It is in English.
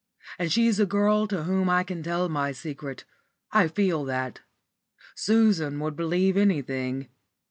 And she's a girl to whom I can tell my secret; I feel that. Susan would believe anything.